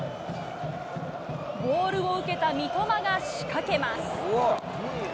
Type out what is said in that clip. ボールを受けた三笘が仕掛けます。